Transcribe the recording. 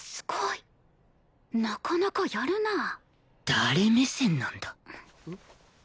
誰目線なんだ